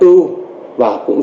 và cũng rút ra những mặt không ưu